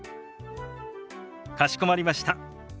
かしこまりました。